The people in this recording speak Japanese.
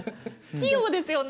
器用ですよね。